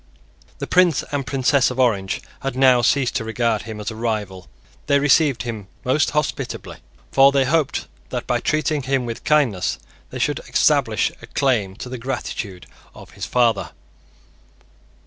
The Prince and Princess of Orange had now ceased to regard him as a rival. They received him most hospitably; for they hoped that, by treating, him with kindness, they should establish a claim to the gratitude of his father.